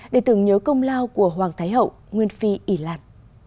để tưởng nhớ công lao của hoàng thái hậu nguyên phi ý lan